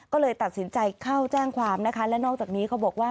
ก็เลยตัดสินใจเข้าแจ้งความนะคะและนอกจากนี้เขาบอกว่า